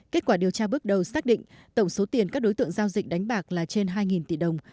kết quả điều tra bước đầu xác định tổng số tiền các đối tượng giao dịch đánh bạc là trên hai tỷ đồng